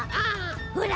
ほら。